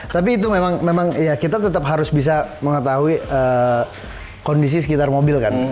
tapi itu memang ya kita tetap harus bisa mengetahui kondisi sekitar mobil kan